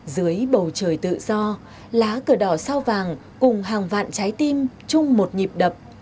dưới bầu trời tự do lá cờ đỏ sao vàng cùng hàng vạn trái tim chung một nhịp đập